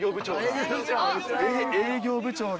営業部長が。